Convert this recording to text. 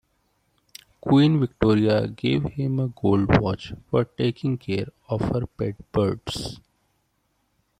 Queen Victoria gave him a gold watch for taking care of her pet birds.